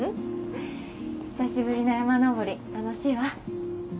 久しぶりの山登り楽しいわ。